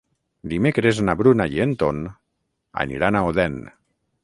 Dimecres na Bruna i en Ton aniran a Odèn.